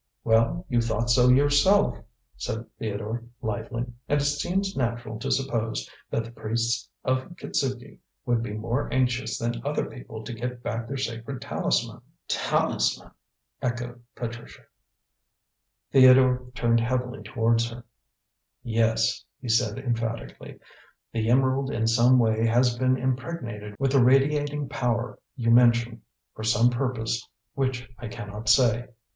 "Well, you thought so yourself," said Theodore lightly. "And it seems natural to suppose that the priests of Kitzuki would be more anxious than other people to get back their sacred talisman." "Talisman!" echoed Patricia. Theodore turned heavily towards her. "Yes," he said emphatically. "The emerald in some way has been impregnated with the radiating power you mention, for some purpose which I cannot say.